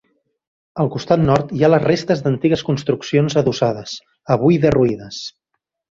Al costat nord hi ha les restes d'antigues construccions adossades, avui derruïdes.